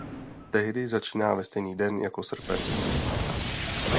Tehdy začíná ve stejný den jako srpen.